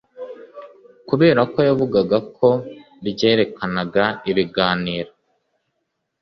kubera ko yavugaga ko ryerekanaga ibiganiro